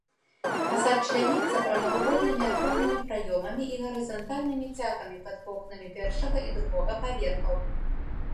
Фасад чляніцца прамавугольнымі аконнымі праёмамі і гарызантальнымі цягамі пад вокнамі першага і другога паверхаў.